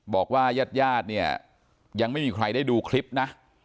ญาติญาติเนี่ยยังไม่มีใครได้ดูคลิปนะ